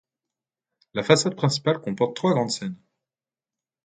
La façade principale comporte trois grandes scènes.